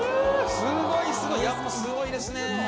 すごいすごいやっぱすごいですね。